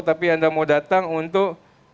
tapi anda mau datang untuk